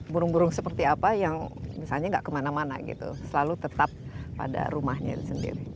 burung burung seperti apa yang misalnya nggak kemana mana gitu selalu tetap pada rumahnya itu sendiri